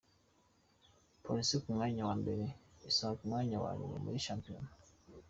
Police ku mwanya wa mbere, Isonga ku mwanya wa nyuma muri shampiyona